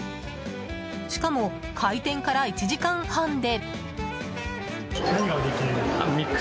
しかも開店から１時間半で。